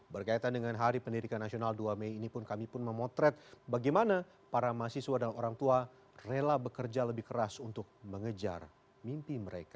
berkaitan dengan hari pendidikan nasional dua mei ini pun kami pun memotret bagaimana para mahasiswa dan orang tua rela bekerja lebih keras untuk mengejar mimpi mereka